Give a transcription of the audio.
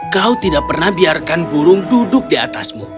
kau tidak pernah biarkan burung duduk di atasmu